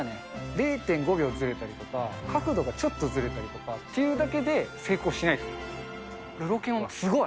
０．５秒ずれたりとか、角度がちょっとずれたりとかっていうだけで、成功しないです。